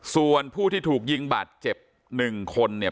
ส่วนผู้ที่ถูกยิงบาดเจ็บ๑คนเนี่ย